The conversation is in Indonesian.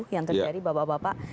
yang terjadi bapak bapak